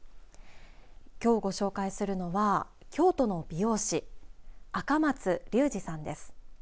今日ご紹介するのは京都の美容師赤松隆滋さんです。